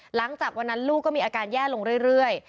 หลังจากวันนั้นลูกก็มีอาการแย่ลงเรื่อย